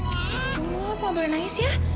cukup nggak boleh nangis ya